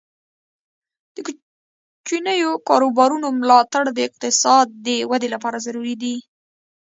د کوچنیو کاروبارونو ملاتړ د اقتصاد د ودې لپاره ضروري دی.